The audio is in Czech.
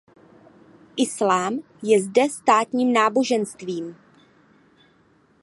Islám je zde státním náboženstvím.